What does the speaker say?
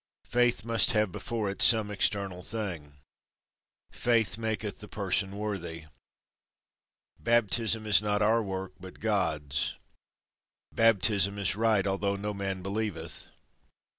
Faith must have before it some external thing. Faith maketh the person worthy. Baptism is not our work, but God's. Baptism is right, although no man believeth.